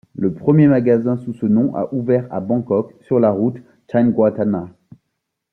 Le premier magasin sous ce nom a ouvert à Bangkok, sur la route Chaengwattana.